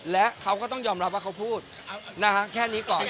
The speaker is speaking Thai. และเขาก็ต้องยอมรับว่าเขาพูดแค่นี้ก่อน